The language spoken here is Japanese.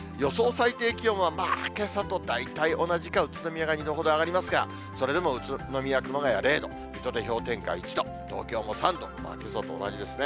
最低気温はまあけさと大体同じか、宇都宮が２度ほど上がりますが、それでも宇都宮、熊谷０度、水戸で氷点下１度、東京も３度、きょうと同じですね。